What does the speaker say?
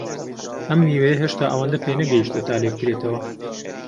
ئەم میوەیە هێشتا ئەوەندە پێنەگەیشتووە تا لێبکرێتەوە.